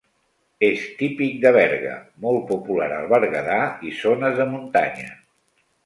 És típic de Berga, molt popular al Berguedà i zones de muntanya.